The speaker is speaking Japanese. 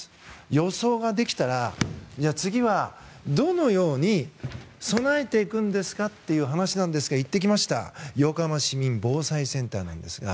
予想ができたら次は、どのように備えていくんですかという話で行ってきました横浜市民防災センターです。